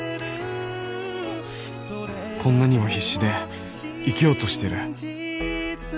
こんなにも必死で生きようとしてる